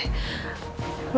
gak gak gak